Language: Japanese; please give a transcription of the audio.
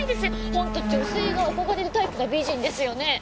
ホント女性が憧れるタイプの美人ですよね。